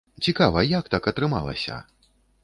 Цікава, як так атрымалася?